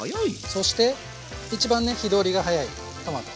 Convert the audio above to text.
そして一番ね火通りが早いトマト。